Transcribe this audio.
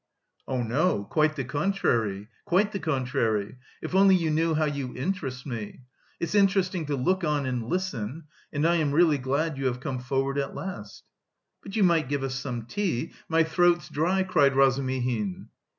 "Oh no, quite the contrary, quite the contrary! If only you knew how you interest me! It's interesting to look on and listen... and I am really glad you have come forward at last." "But you might give us some tea! My throat's dry," cried Razumihin.